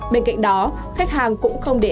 bên cạnh đó khách hàng cũng không để ai